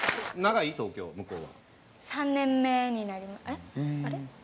３年目になります。